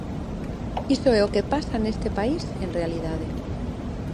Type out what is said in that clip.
Iso é o que pasa neste país en realidade.